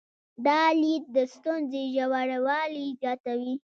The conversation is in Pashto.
دا لید د ستونزې ژوروالي زیاتوي.